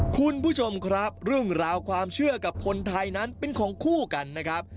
คุณผู้ชมครับเรื่องราวความเชื่อกับคนไทยนั้นเป็นของคู่กันนะครับ